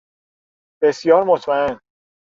بسیار مطمئن